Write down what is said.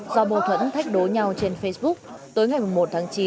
do mâu thuẫn thách đối nhau trên facebook tới ngày một mươi một tháng chín